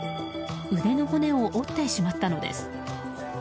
腕の骨を折ってしまったのです。